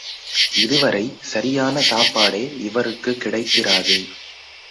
இதுவரை சரியான சாப்பாடே இவருக்குக் கிடைத்திராது.